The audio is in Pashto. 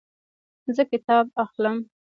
زه کتاب اخلم